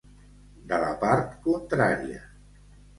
De la part contrària.